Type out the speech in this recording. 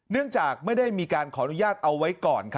เนื่องจากไม่ได้มีการขออนุญาตเอาไว้ก่อน